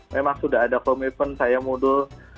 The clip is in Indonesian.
memang sudah ada komitmen saya mundur